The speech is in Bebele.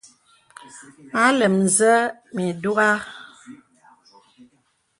Mə alɛm zə̀ mì dùgha.